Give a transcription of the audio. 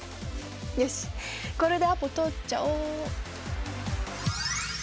よしこれでアポ取っちゃおう。